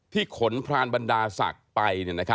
ที่ขนพรานบรรดาสักไป